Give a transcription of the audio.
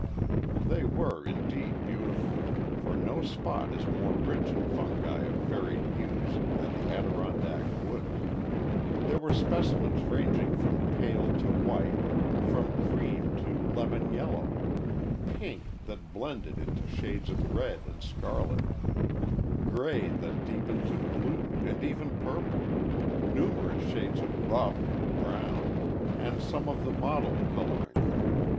They were indeed beautiful, for no spot is more rich in fungi of varied hues than the Adirondack woods. There were specimens ranging from pale to white, from cream to lemon yellow pink that blended into shades of red and scarlet gray that deepened to blue and even purple numerous shades of buff and brown, and some of the mottled coloring.